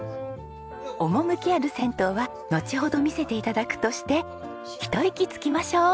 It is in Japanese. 趣ある銭湯はのちほど見せて頂くとしてひと息つきましょう！